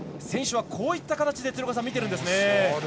選手はこういった形で見ているんですね。